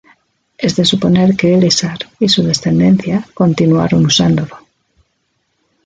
Es de suponer que Elessar y su descendencia continuaron usándolo.